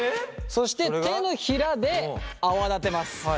そして手のひらで泡立てます。